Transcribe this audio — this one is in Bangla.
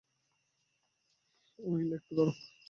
উইল, একটু দাঁড়াও।